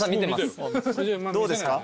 どうですか？